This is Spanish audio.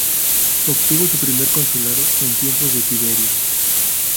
Obtuvo su primer consulado en tiempos de Tiberio.